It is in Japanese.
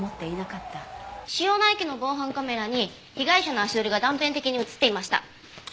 主要な駅の防犯カメラに被害者の足取りが断片的に映っていました。